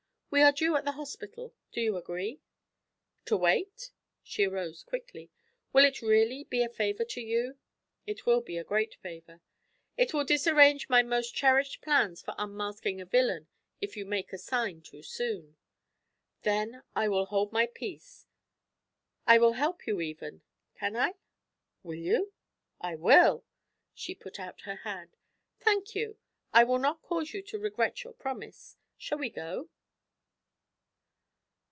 'We are due at the hospital. Do you agree?' 'To wait?' She arose quickly. 'Will it really be a favour to you?' 'It will be a great favour. It will disarrange my most cherished plans for unmasking a villain if you make a sign too soon.' 'Then I will hold my peace; I will help you, even can I?' 'Will you?' 'I will.' She put out her hand. 'Thank you. I will not cause you to regret your promise. Shall we go?'